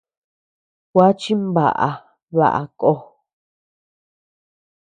Gua chimbaʼa baʼa ko.